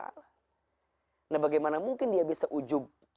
nah bagaimana mungkin dia bisa ujub